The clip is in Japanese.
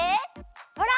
ほら！